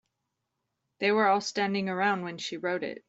They were all standing around when she wrote it.